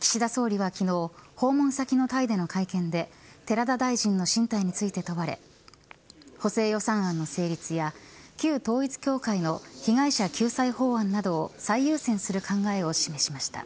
岸田総理は昨日訪問先のタイでの会見で寺田大臣の進退について問われ補正予算案の成立や旧統一教会の被害者救済法案などを最優先する考えを示しました。